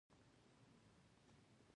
د کیسې مفهوم په خپلو خبرو کې ووايي.